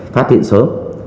phát triển sớm